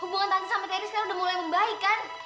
hubungan tante sama terry sekarang udah mulai membaikan